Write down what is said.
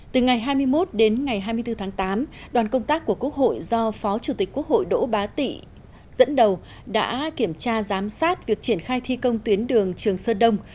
từ ngày hai mươi một đến ngày hai mươi bốn tháng tám đoàn công tác của quốc hội do phó chủ tịch quốc hội đỗ bá tị dẫn đầu đã kiểm tra giám sát việc triển khai thi công tuyến đường trường sơn đông